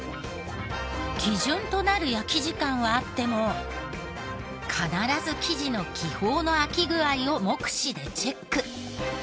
基準となる焼き時間はあっても必ず生地の気泡のあき具合を目視でチェック。